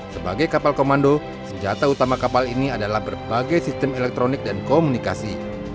sebagai kapal komando senjata utama kapal ini adalah berbagai sistem elektronik dan komunikasi